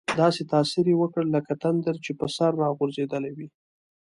داسې تاثیر یې وکړ لکه تندر چې په سر را غورځېدلی وي.